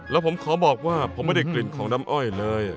แล้วผมขอบอกว่าผมไม่ได้กลิ่นของน้ำอ้อยเลย